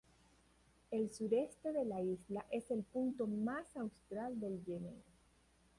El sureste de la isla es el punto más austral del Yemen.